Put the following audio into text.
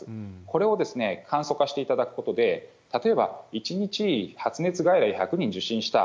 これを簡素化していただくことで、例えば、１日発熱外来１００人受診した。